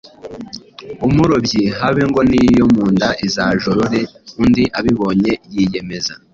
Umurobyi habe ngo n’iyo mu nda izajorore! Undi abibonye yiyemeza